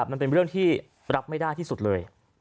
มันเป็นเรื่องที่รับไม่ได้ที่สุดเลย